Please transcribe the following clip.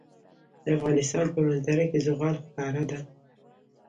د افغانستان په منظره کې زغال ښکاره ده.